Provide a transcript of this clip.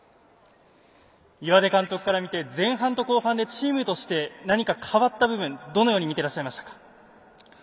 岩出監督から見て前半と後半でチームとして何か変わった部分どう見ていましたか。